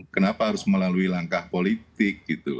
kenapa harus melalui langkah politik gitu